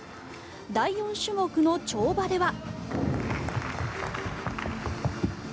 第４種目の跳馬では。